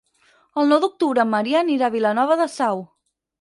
El nou d'octubre en Maria anirà a Vilanova de Sau.